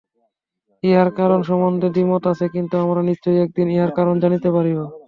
ইহার কারণ সম্বন্ধে দ্বিমত আছে, কিন্তু আমরা নিশ্চয়ই একদিন ইহার কারণ জানিতে পারিব।